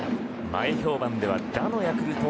前評判では打のヤクルト。